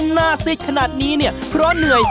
หน้าซิดขนาดนี้เนี่ยเพราะเหนื่อย